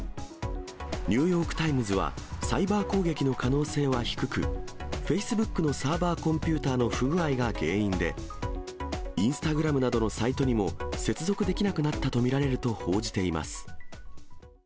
ニューヨークタイムズは、サイバー攻撃の可能性は低く、フェイスブックのサーバーコンピューターの不具合が原因で、インスタグラムなどのサイトにも接続できなくなったと見られると報じています。